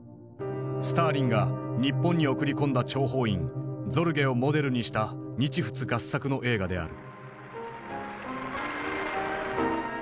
スターリンが日本に送り込んだ諜報員ゾルゲをモデルにした日仏合作の映画である。